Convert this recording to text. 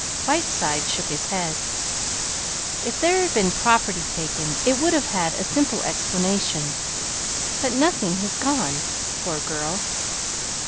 Whiteside shook his head. "If there had been property taken, it would have had a simple explanation. But nothing has gone. Poor girl!"